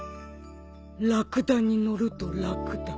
ラクダに乗ると楽だ。